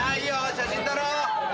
写真撮ろう。